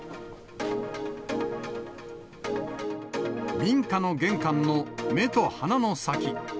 民家の玄関の目と鼻の先。